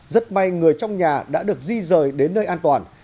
rất may người trong nhà đã được di rời đến nơi an toàn